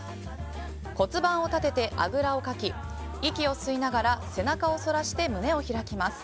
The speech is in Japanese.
骨盤を立てて、あぐらをかき息を吸いながら背中をそらして胸を開きます。